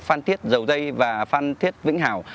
phan thiết dầu dây và phan thiết vĩnh hảo